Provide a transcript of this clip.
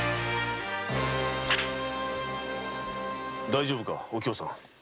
大丈夫かお京さん。